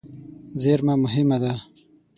زېرمه مهمه ده.